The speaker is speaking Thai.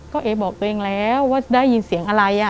ก็เอ๊บอกตัวเองแล้วว่าได้ยินเสียงอะไร